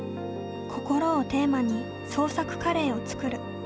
こころをテーマに創作カレーを作る。